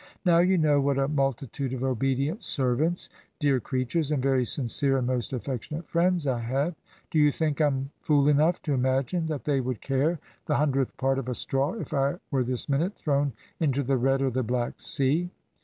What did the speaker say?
Now you know what a multitude of obedient servants, dear creatures, and very sincere and most affectionate friends I have. ... Do you think I'm fool enough to imagine that they would care the hundredth part of a straw if I were this minute thrown into the Red ot the Black Sea?'